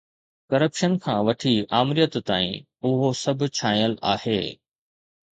Corruption کان وٺي آمريت تائين، اهو سڀ ڇانيل آهي.